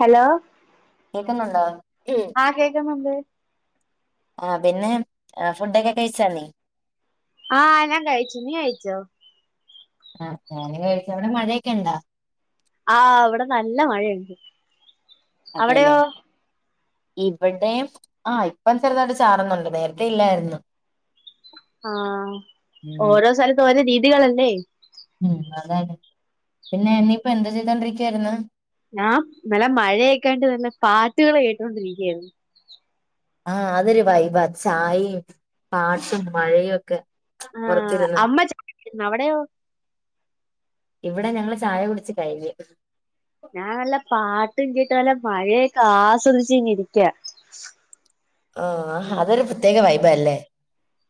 Hello കേൾക്കുന്നുണ്ടോ ആഹ് കേക്ക്ന്ന് ണ്ട് ആഹ് പിന്നെ ഫുഡൊക്കെ കഴിച്ചാന്നീ ആഹ് ഞാൻ കഴിച്ചു നീ കഴിച്ചോ ആഹ് ഞാനും കഴിച്ച് അവിടെ മഴയൊക്കെ ഉണ്ടാ ആഹ് ളവിടെ നല്ല മഴയുണ്ട് അവിടെയോ അതെല്ലേ ഇവിടെ ആഹ് ഇപ്പം ചെറുതായിട്ട് ചാരുന്നുണ്ട് നേരത്തെ ഇല്ലായിരുന്നു ആഹ് ഉം ഓരോ സ്ഥലത്ത് ഓരോ രീതികളല്ലേ ഉം അതാണ് പിന്നെ എന്നീയിപ്പോ എന്താ ചെയ്തണ്ടിരിക്കയായിരുന്നു ഞാൻ നല്ല മഴയൊക്കാണ്ട് നല്ല പാട്ടുകൾ കേട്ടുകൊണ്ടിരിക്കയായിരുന്നു ആഹ് അതൊരു വൈബ ചായയും പാട്ടും മഴയും ഒക്കെ ആഹ് പുറത്തിരുന്ന് അമ്മ ചായ ഇടുന്ന് അവിടെയോ ഇവിടെ ഞങ്ങള് ചായ കുടിച്ച് കഴിഞ്ഞു ഞാൻ നല്ല പാട്ട് കേട്ട് വല്ല മഴയൊക്കെ ആസ്വദിച്ച് ഇിരിക്ക ആഹ് അതൊരു പ്രത്യേക വൈബ അല്ലേ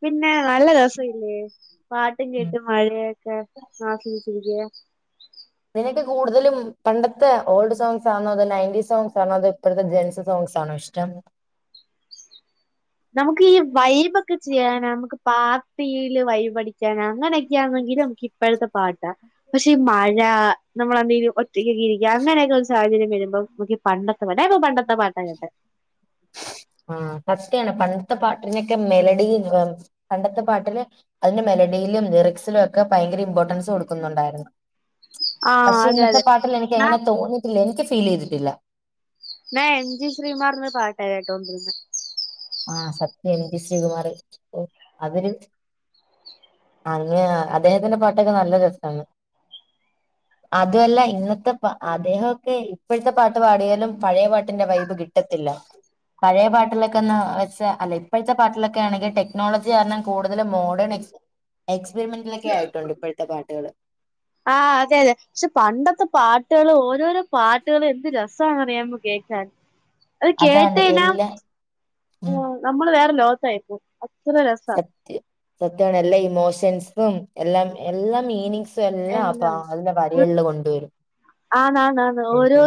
പിന്നെ നല്ല രസ ഇല്ലേ പാട്ടും കേട്ട് മഴയൊക്കെ ആസ്വദിച്ചിരിക്കുക നിനക്ക് കൂടുതലും പണ്ടത്തെ ഓൾഡ് സോങ് ആണോ അതോ നയൻറ്റീസ് സോങ്സ് ആണോ അതോ ഇപ്പോഴത്തെ ജെൻസ് സോങ്ങ്സാണോ ഇഷ്ടം നമുക്ക് ഈ വൈബ്ക്കെ ചെയ്യാനാ നമുക്ക് പാർട്ടിയില് വൈബടിക്കാനോ അങ്ങനെ ങ്കിൽ നമക്ക് ഇപ്പഴത്തെ പാട്ടാ പക്ഷെ ഈ മഴ നമ്മളെന്തെിലും ഒ ക്കെ ഇരിക്കുക അങ്ങനൊക്കെ ഒരു സാഹചര്യം വരുമ്പോ നക്ക് പണ്ടത്തെ ഞാ പ്പോ പണ്ടത്തെ പാട്ട കേട്ടെ ആ സത്യാണ് പണ്ടത്തെ പാട്ടിനൊക്കെ മെലഡി പണ്ടത്തെ പാട്ടില് അതിന്റെ മെലഡിയിലും ലിറിക്സിലും ഒക്കെ ഭയങ്കര ഇമ്പോർട്ടൻസ് കൊടുക്കുന്നുണ്ടായിരുന്നു ആഹ് പക്ഷെ അതെ ഇന്നത്തെ അതെ പാട്ടിൽ എനിക്ക് ഞാ എങ്ങനെ തോന്നിയിട്ടില്ല എനിക്ക് ഫീൽ ചെയ്തിട്ടില്ല ഞാ എം ജി ശ്രീകുമാറിന്റെ പാട്ട കേട്ടോണ്ടിരുന്ന ആഹ് സത്യം എം ജി ശ്രീകുമാർ ഓ അവര് അങ്ങ അദ്ദേഹത്തിന്റെ പാട്ടൊക്കെ നല്ല രസാണ് അതുമല്ല ഇന്നത്തെ അദ്ദേഹോക്കെ ഇപ്പോഴത്തെ പാട്ട് പാടിയാലും പഴയ പാട്ടിന്റെ വൈബ് കിട്ടത്തില്ല പഴയ പാട്ടിലൊക്കെന്ന് അല്ല ഇപ്പോഴത്തെ പാട്ടിലൊക്കെ ആണെങ്കിൽ ടെക്നോളജി കാരണം കൂടുതലും മോഡേൺ എക്സ്പെരിമെന്റിലൊക്കെ ആയിട്ടുണ്ട് ഇപ്പോഴത്തെ പാട്ടുകള് ആ് അതെ അതെ പക്ഷെ പണ്ടത്തെ പാട്ടുകൾ ഓരോരോ പാട്ടുകള് എന്ത് രസ അറിയാമോ കേൾക്കാൻ അത് അതാണ് കേട്ടയ്ഞ്ഞാൽ എല്ലാ ഉം നമ്മള് വേറെ ലോകത്തായിപ്പോവും അത്ര രസ സത്യമാണ് എല്ലാ ഇമോഷൻസും എല്ലാം എല്ലാ മീനിങ്സ എല്ലാം എന്താ അപ്പ നല്ല വരികളിൽ കൊണ്ടുവരും ആന്നാന്നാന്ന് എ ഓരോ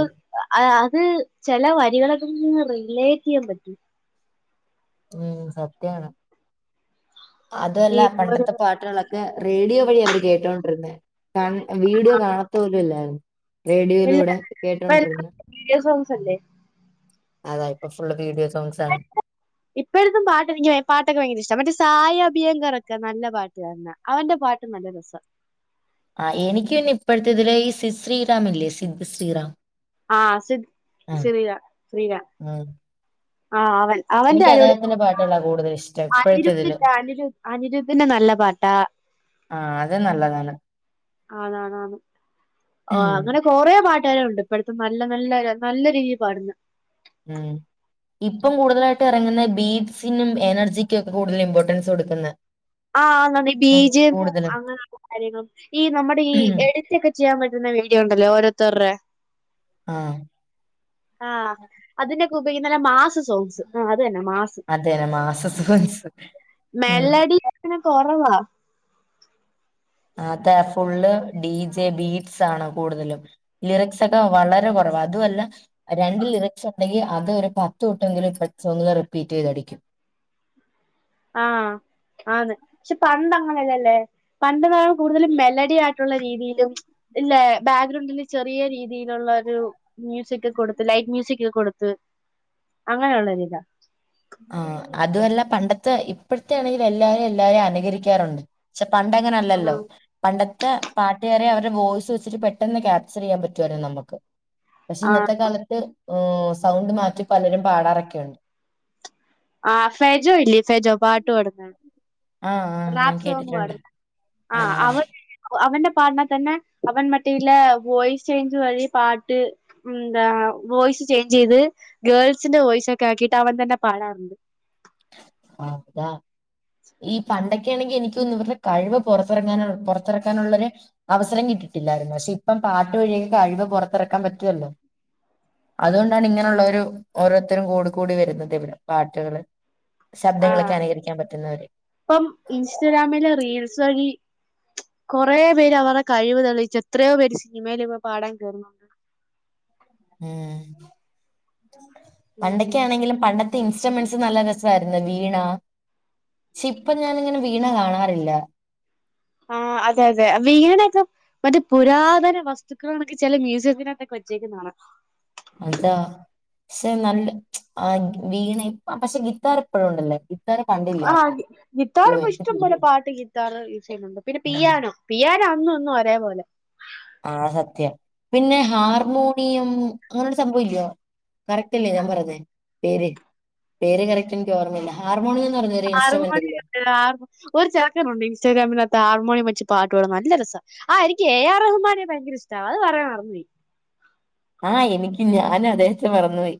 അത് ചില വരികളെക്കന്ന് റിലേറ്റ് യ്യാൻ പറ്റൂ ഉം സത്യാണ് അതല്ല ഈ ഓരോ പണ്ടത്തെ പാട്ടുകളൊക്കെ റേഡിയോ വഴി അവർ കേട്ടോണ്ടിരുന്ന വീഡിയോ കാണാത്ത പോലും ഇല്ലായിരുന്നു എല്ലാ റേഡിയോയിലൂടെ ഇപ്പ എല്ലാം കേട്ടൊണ്ടിരുന്നു വീഡിയോ സോങ്ങ്സ് അല്ലേ അതാ ഇപ്പ ഫുള് വീഡിയോ സോങ്‌സ് ആണ് ഇപ്പഴത്തും പാട്ട് എനിക്ക് പാട്ടൊക്കെ ഭയങ്കര ഇഷ്ടം മറ്റേ സായ അഭിയങ്കർക്കെ നല്ല പാട്ട് താരുന്നു അവന്റെ പാട്ട് നല്ല രസം ആഹ് എനിക്ക് പിന്നെ ഇപ്പോഴത്തെ ഇതില ശ്രീറമ ഇല്ലേ സിദ്ധ ശ്രീറാം ആഹ് ആ ശരിക ശ്രീക ഉം ആഹ് അവൻ അവന്റെ എനിക്ക് അടിപൊളി അദ്ദേഹത്തിന്റെ പാട്ടുകളാ കൂടുതൽ ഇഷ്ടം ഇപ്പോഴത്തെ ഇതില് അനിരുധിന്റെ അനിരു അനിരുദ്ധന്റെ നല്ല പാട്ടാ ആഹ് അത് നല്ലതാണ് ആണ് ആണ് ഉം അങ്ങനെ കൊറെ പാട്ടുകാര ഉണ്ട് ഇപ്പള്ത്തും നല്ല നല്ല നല്ല രീതിയിൽ പാടുന്ന ഉം ഇപ്പം കൂടുതലായിട്ടും ഇറങ്ങുന്ന ബീഡ്സിനും എനർജിക്കുംക്കെ കൂടുതൽ ഇമ്പോർട്ടൻസ് കൊടുക്കുന്നത് ആഹ് നന്ദ ബീജമ്മും അങ്ങനെയുള്ള കാര്യങ്ങളും ഈ നമ്മുടെ ഈ എടുത്തൊക്കെ ചെയ്യാൻ പറ്റുന്ന വീഡിയോ ഉണ്ടല്ലോ ഓരോത്തരുടെ ആഹ് ആഹ് അതിനൊക്കെ ഉപയോഗിക്കുന്ന മാസ് സോങ്സ് അത് തന്നെ മാസ് അതന മാസ സുഖം സുഖ മെലഡി അങ്ങനെ കൊറവാ ആഹ് ഫുള്ള് ഡി ജെ ബീറ്റ്സ് ആണ് കൂടുതലും ലിറിക്സൊക്കെ വളരെ കുറവ് അതുമല്ല രണ്ട് ലിറിക്സ് ഉണ്ടെങ്കി അത് ഒരു പത്ത് വെട്ടെങ്കിലും ഇസ് ഒ റിപ്പീറ്റ് ചെയ്തടിക്കും ആഹ് ആന്ന് പക്ഷെ പണ്ട് അങ്ങനെല്ലല്ലേ പണ്ട്ന്ന് പറഞ്ഞൽ കൂടുതലും മെലഡി ആയിട്ട രീതിയിലും ഇല്ല ബാക്ക്ഗ്രൗണ്ടില് ചെറിയ രീതിയിലുള്ള ഒരു മ്യൂസിക് കൊടുത്ത് ലൈറ്റ് മ്യൂസിക് കൊടുത്ത് അങ്ങനെയള്ളരി ഇതാ ആ അതുമല്ല പണ്ടത്തെ ഇപ്പഴത്തെ ആണെങ്കിൽ എല്ലാരും എല്ലാരെയും അനുകരിക്കാറുണ്ട് പ പണ്ടങ്ങനെ അല്ലല്ലോ പണ്ടത്തെ പാട്ടുകാര അവരുടെ വോയിസ് വെച്ചിട്ട് പെട്ടെന്ന് ക്യാപ്ചർ ചെയ്യാൻ പറ്റുവല്ലരുന്നു നമുക്ക് പക്ഷെ ആഹ് ഇന്നത്തെ കാലത്ത് സൗണ്ട് മാറ്റി പലരും പാടാറൊക്കെയുണ്ട് ആഹ് ഫെജോ ഇല്ലേ ഫെജോ പാട്ട് പടന്ന ആഹ് ആഹ് ഞാൻ റപ് സോങ് കേട്ടിട്ടുണ്ട് പാടുന്ന ആഹ് അവ അവന്റെ പാടിനാ തന്നെ അവൻ മറ്റല്ല വോയിസ് ചേഞ്ച് വഴിയ പാട്ട് എന്താ വോയ്സ് ചേഞ്ച് ചെയ്ത് ഗേൾസിന്റെ വോയിസ് ഒക്കെ ആക്കിട്ട് അവൻ തന്നെ പാടാറുണ്ട് അതാ ഈ പണ്ടൊക്കെയാണെങ്കിൽ എനിക്കൊന്ന ഇവരുടെ കഴിവ് പുറത്തിറങ്ങാന പുറത്തിറക്കാനുള്ളരു അവസരം കിട്ടിട്ടില്ലായിരുന്നു പക്ഷെ ഇപ്പം പാട്ട് വഴിയെങ്കിൽ കഴിവ് പുറത്തിറക്കാൻ പറ്റുവല്ലോ അതുകൊണ്ടാണ് ഇങ്ങനെയുള്ള ഒരു ഓരോരുത്തരും കൂട കൂടി വരുന്നത് ഇവിടെ പാട്ടുകള് ആ ശബ്ദങ്ങളൊക്കെ അനുകരിക്കാൻ പറ്റുന്നവര് ഇപ്പം ഇൻസ്റ്റഗ്രാമില് റീൽസ് വഴി കുറെ പേര് അവടെ കഴിവ് തെളിയിച്ച എത്രയോ പേര് സിനിമയില് പാടാൻ കേറി ഉം ഉം പണ്ടൊക്കാണെങ്കിലും പണ്ട ഇൻസ്ട്രുമെന്റ്സ് നല്ല രസമായിരുന്നു വീണ പക്ഷെ ഇപ്പ ഞാനിങ്ങനെ വീണ കാണാറില്ല ആഹ് അതെ അതെ വീണ ഒക്കെ മറ്റേ പുരാതന വസ്തുക്കൾ എന്നൊക്കെ ചില മ്യൂസിയത്തിനകത്തൊക്കെ വച്ചേക്കുന്നത് കാണാം അതാ പക്ഷെ നല്ല ആ വീണ പക്ഷെ ഗിത്താർ എപ്പോഴും ഉണ്ടല്ലേ ഗിത്താർ ആഹ് പണ്ടില്ലായിരുന്നു ഗിത്താർ അയ്യോ ഇപ്പോ എനിക്ക് ഇഷ്ടം തിരിഞ്ഞു പോലെ പാട്ട് ഗീത്താർ യൂസ് ചെയ്യുന്നുണ്ട് പിന്നെ ഉം. പിയാനോ പി യാന അന്നും ഇന്നും ഒരേപോലെ ആഹ് സത്യം പിന്നെ ഹാർമോണിയം അങ്ങനൊരു സംഭവം ഇല്ലേ കറക്റ്റല്ലേ ഞാൻ പറഞ്ഞേ പേര് പേര് കറക്റ്റ് എനിക്ക് ഓർമ്മയില്ല ഹാർമോണിയന്ന് പറയുന്നേ ഹാർമോണിയം ഉണ്ട് ഹാർമോ ഒരു ചെറക്കനുണ്ട് ഇൻസ്റ്റഗ്രാമിനകത്ത് ഹാർമോണിയം വെച്ച് പാട്ടുപാടുന്നെ നല്ല രസാ ആഹ് എനിക്ക് എ ആർ റഹ്‌മാനെ ഭയങ്കര ഇഷ്ടാ അത് പറയാൻ മറന്നു പോയി ആഹ് എനിക്കും ഞാനും അദ്ദേഹത്തെ മറന്നുപോയി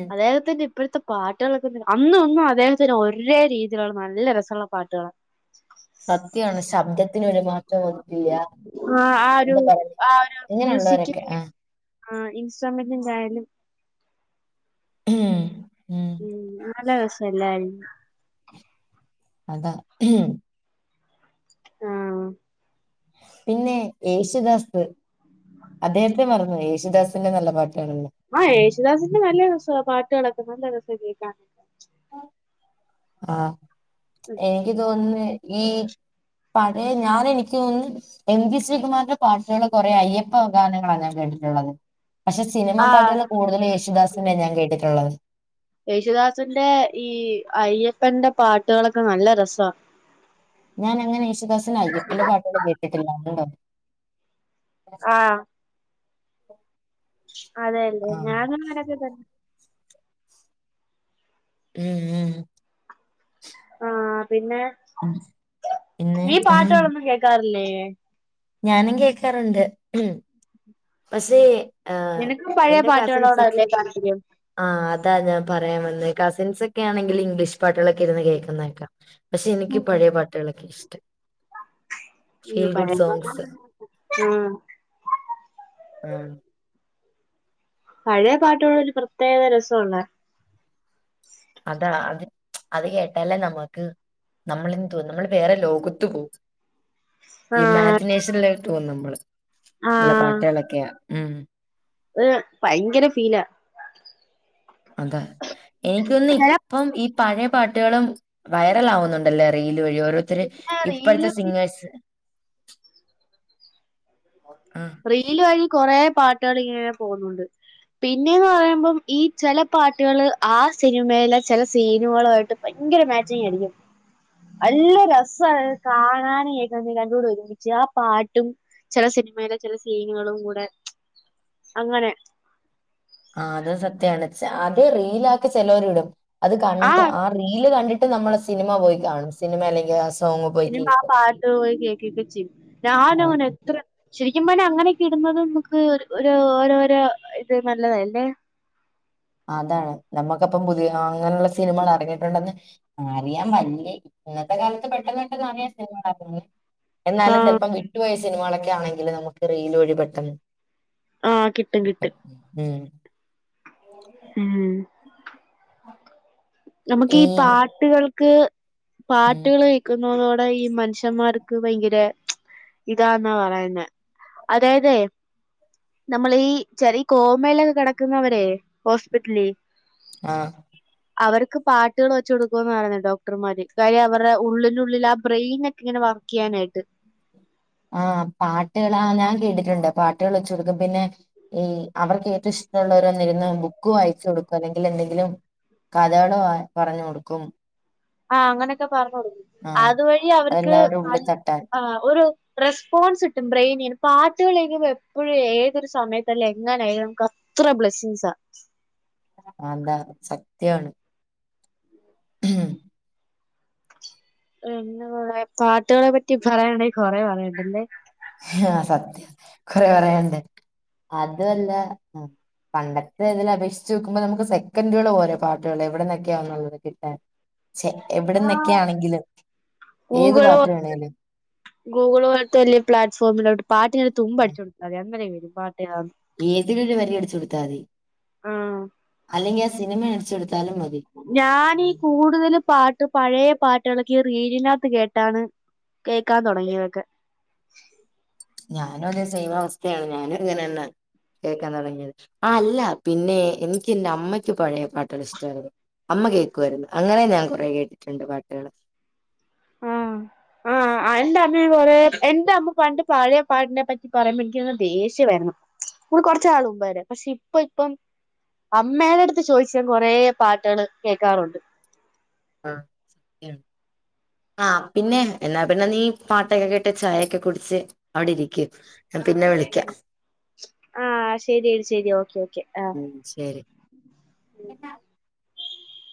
ഉം. അദ്ദേഹത്തിന്റെ ഇപ്പോഴത്തെ പാട്ടുകൾൊക്കെ അന്നൊന്നും അദ്ദേഹത്തിന് ഒരേ രീതിയിലുള്ള നല്ല രസമുള്ള പാട്ടുകളാണ് സത്യ ആണ് ശബ്ദത്തിന് ഒരു മാറ്റം വന്നിട്ടില്ല ആ ആ ഒരു എന്താ പറയണെ ഇങ്ങനെയുള്ളവരൊക്കെ ആഹ് ആഹ് ഇൻസ്ട്രമെൻ്റിൻ വയലിൻ ഉം ഉം നല്ല രസല്ലായിരുന്നു അതാ ആഹ് പിന്നെ യേശുദാസ് അദ്ദേഹത്തിനെ മറന്നു പോയി യേശുദാസ് പിന്നെ നല്ല പാട്ടാണല്ലോ ആഹ് യേശുദാസിന്റെ നല്ല രസാവാ പാട്ടുകളൊക്കെ നല്ല രസാ കേൾക്കാൻ ആഹ് ഉം. എനിക്ക് തോന്നുന്നു ഈ പഴയെ ഞാൻ എനിക്ക് തോന്നന്ന് എം ജി ശ്രീകുമാറിന്റെ പാട്ടുകള് കുറയേ അയ്യപ്പഗാനങ്ങളാണ് ഞാൻ കേട്ടിട്ടുള്ളത് പക്ഷെ സിനിമാ ആ പാട്ടുകള് കൂടുതല് യേശുദാസിന്റെയാ ഞാൻ കേട്ടിട്ടുള്ളത് യേശുദാസിന്റെ ഈ അയ്യപ്പന്റെ പാട്ടുകളൊക്കെ നല്ല രസാ ഞാൻ അങ്ങനെ യേശുദാസിൻ്റെ അയ്യപ്പന്റെ പാട്ടുകള് കേട്ടിട്ടില്ലാ ഉണ്ടോ ആ അതെല്ലേ ആഹ് ഞാൻ അങ്ങനൊക്കെ കേട്ട് ടുണ്ട് ഉം ഉം ആഹ് പിന്നെ ഉം പിന്നെ നീ പാട്ടുകളൊന്നും കേൾക്കാറില്ലേ ഞാനും കേക്കാറുണ്ട് ഉം പക്ഷേ ആഹ് നിനക്കും പഴയ എന്റെ കസിൻസ് പാട്ടുകളോടല്ലേ താൽപര്യം ആഹ് അതാ ഞാൻ പറയാൻ വന്നെ കസിൻസ് ഒക്കെ ആണെങ്കിൽ ഇംഗ്ലീഷ് പാട്ടുകളൊക്കെ ഇരുന്ന് കേൾക്കുന്ന കേക്കാം പക്ഷെ എനിക്ക് ഉം പഴയ പാട്ടുകളൊക്കെയാ ഇഷ്ടം ഫീൽ ഗുഡ് സോങ്ങ്സ് ആഹ് ആഹ് പഴയ പാട്ടുകള് ഒരു പ്രത്യേകതരം രസൊള്ളെ അതാ അത് അത് കേട്ടാലേ നമ്മക്ക് നമ്മളെന്തോ നമ്മള് വേറെ ലോകത്ത് പോകും ആഹ് ഇമാജിനേഷനിലോട്ട് പോവും നമ്മള്. നല്ല പാട്ടുകളൊക്കെയാ ഉം ഏഹ് ഭയങ്കര ഫീലാ അതെ എനിക്കു തോന്നുന്നു പിന്നെ ഇപ്പം ഈ പഴയ പാട്ടുകളും വൈറലാവുന്നുണ്ടല്ലേ റീല് വഴി ഓരോ രുത്തര് റീല് ഇപ്പഴത്തെ വഴി സിങ്ങേഴ്സ് റീല് വഴി കോറേ പാട്ടുകള് ഇങ്ങനെ പോകുന്നുണ്ട് പിന്നേന്ന് പറയുമ്പം ഈ ചില പാട്ടുകള് ആഹ് സിനിമയിലെ ചെല സീനുകളുവായിട്ട് ഭയങ്കര മ്യാച്ചിങ്ങ് ആയിരിക്കും. നല്ല രസാണ് അത് കാണാനും കേക്കാനും രണ്ടും കൂടെ ഒരുമിച്ച് ആ പാട്ടും ചെല സിനിമയിലെ ചെല സീനുകളും കൂടെ അങ്ങനെ ആഹ് അത് സത്യാണ്. അത് റീലാക്കി ചിലവര് ഇടും. അത് ആ കണ്ട് ആഹ് റീ റീലു കണ്ടിട്ട് നമ്മള് സിനിമ പോയി കാണും സിനിമ അല്ലെങ്കിൽ ആഹ് പിന്നെ ആഹ് പാട്ട് പോയി കേക്കു ഒക്കെ ചെയ്യും ആ, ഞാനങ്ങനെ എത്ര ശരിക്കും പറഞ്ഞ അങ്ങനെ കിടുന്നത് നമുക്ക് ഓരോരോ ഇത് നല്ലതാ ല്ലേ അതാണ് നമ്മുക്കപ്പം പുതിയ അങ്ങനെയുള്ള സിനിമകൾ എറങ്ങിയിട്ടുണ്ടെന്ന് അറിയാൻ വല്ലേ ഇന്നത്തെ കാലത്ത് പെട് ട്ടെന്ന് പെട്ടെന്ന് അറിയാം സിനിമ എറക്കുന്നെ എന്നാലും ആഹ് ചെലപ്പം [unintelligible] യ സിനമകളൊക്കെ ആണെങ്കിൽ നമുക്ക് റീൽ വഴി പെട്ടന്ന് ആഹ് കിട്ടും കിട്ടും ഉം [unintelligible] ഉം നമുക്ക് ഈ പാട്ടുകൾക്ക് ഉം പാട്ടുകള് കേ ക്കുന്നതോടെ ഈ മനുഷ്യന്മാർക്ക് ഭയങ്കര ഇതാന്നാ പറയുന്നെ അതായതെ നമ്മള് ഈ ചെറിയ കോമയിലൊക്കെ കിടക്കുന്നവരെ ഹോസ്പിറ്റലി ആഹ് അവർക്ക് പാട്ടുകൾ വെച്ച് കൊടുക്കോന്ന് പറയുന്നകേക്കാം ഡോക്ടർമാര് കാര്യം അവരുടെ ഉള്ളിനുള്ളിൽ ആ ബ്രെയിനെ ഇങ്ങനെ വർക്ക് ചെയ്യാനായിട്ട് ആഹ് പാട്ടുകൾ ആ ഞാൻ കേട്ടിട്ടുണ്ട് പാട്ടുകൾ വെച്ച് കൊടുക്കും പിന്നെ ഈ അവർക്ക് ഏറ്റവും ഇഷ്ടമുള്ളവര് വന്നിരുന്ന് ബുക്ക് വായിച്ചു കൊടുക്കും അല്ലെങ്കിൽ എന്തെങ്കിലും കഥകള് പറഞ്ഞു കൊടുക്കും ആഹ് അങ്ങനെയൊക്കെ പറഞ്ഞോടുക്കും ആഹ് അതുവഴി അവർക്ക് അതെല്ലാവരുടെ നൽ ഉള്ളിൽ തട്ടാൻ ആഹ് ഒരു റെസ്പോൺസ് കിട്ടും ബ്രെയിനിന് പാട്ടുകളിനി എപ്പോഴും ഏതൊരു സമയതായാലും എങ്ങനെയായാലും ക്ക ഇത്ര ബ്ലെസ്സിങ്സാ അതാണ് സത്യാണ് ഉം പാട്ടുകളെ പറ്റി പറയാണെങ്കിൽ കൊറെ പറയാനുണ്ടല്ലേ ആഹ് സത്യ കൊറെ പറയാന്ണ്ട് അതുവല്ല ആഹ് പണ്ടത്തെ ഇതിൽ അപേക്ഷിച്ച് നോ ക്കുമ്പോ നമുക്ക് സെക്കൻഡുകൾ പോരെ പാട്ടുകൾ എവിടെന്നൊക്കെയാന്നുള്ളത് കിട്ടാൻ എവിടന്നൊക്കെയാണെങ്കിലും ഏത് പാട്ട് വേണേലും ഗൂഗിൾ പോലത്ത് വലിയ പ്ലാറ്റ്ഫോമിലോട്ട് പാട്ടിന്റെ ഒരു തുമ്പടിച്ചു കൊടുത്താ മതി അന്നേരെ വരും പാട്ടേതാണ് ഏതിലും ഒരു വരി അടിച്ചു കൊടുത്താമതി ആഹ് അല്ലെങ്കി ആ സിനിമ അടിച്ചൊടുത്താലും മതി ഞാനീ കൂടുതല് പാട്ട് പഴയ പാട്ടുകളൊക്കെ ഈ റീലിനകത്ത് കേട്ടാണ് കേക്കാൻ തുടങ്ങിയതൊക്കെ ഞാനും അതെ സൈം അവസ്ഥയാണ് ഞാനും ഇങ്ങനെതന്ന കേൾക്കാൻ തുടങ്ങിയത് ആഹ് അല്ല പിന്നെ എനിക്ക് എന്റെ അമ്മയ്ക്ക് പഴയ പാട്ടുകൾ ഇഷ്ടായിരുന്നു അമ്മ കേൾക്കുമായിരുന്നു അങ്ങനെ ഞാൻ കുറെ കേട്ടിട്ടുണ്ട് പാട്ടുകൾ ആഹ് ഉ ആഹ് എന്റെ അമ്മയും കൊറേ എന്റെ അമ്മ പണ്ട് പഴയ പാട്ടിനെ പറ്റി പറയുമ്പോ എനിക്കങ്ങ് ദേഷ്യം ആരുന്നു ഇ കൊറച്ച് നാള് മുമ്പ് വരെ പക്ഷെ ഇപ്പൊ ഇപ്പം അമ്മേടെ അടുത്ത് ചോദിച്ച് ഞാൻ കൊറേ പാട്ടുകൾ കേക്കാറുണ്ട് ആഹ് ആഹ് പിന്നെ എന്നാ പിന്ന നീ പാട്ടൊക്കെ കേട്ട് ചായയൊക്കെ കുടിച്ച് അവിടിരിക്ക് ഞാൻ പിന്നെ വിളിക്കാം ആഹ് ശരിയെടി ശരി ഓക്കെ ഓക്കെ ആഹ്. ഉം ശെരി എന്നാ